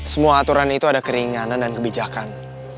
semua aturan itu ada keringanan dan kebijakan